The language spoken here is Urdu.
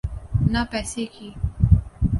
نہ پیسے کی۔